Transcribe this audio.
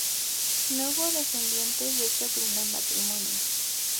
No hubo descendientes de este primer matrimonio.